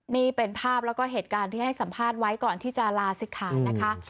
นี่เป็นภาพแล้วก็เหตุการณ์ที่ให้สัมภาษณ์ไว้ก่อนที่จะลาศิกขานะคะ